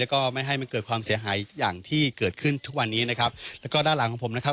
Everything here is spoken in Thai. แล้วก็ไม่ให้มันเกิดความเสียหายอย่างที่เกิดขึ้นทุกวันนี้นะครับแล้วก็ด้านหลังของผมนะครับ